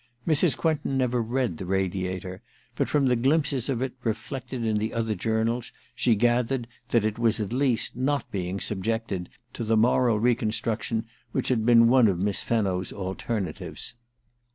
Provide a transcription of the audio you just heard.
Mrs. Quentin never read the Radiator^ but from the glimpses of it reflected in the other journals she gathered that it was at least not being subjected to the moral reconstruction which had been one of Miss Fenno's alternatives.